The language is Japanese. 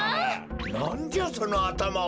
なんじゃそのあたまは！？